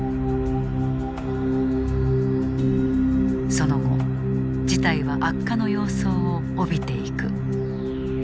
その後、事態は悪化の様相を帯びていく。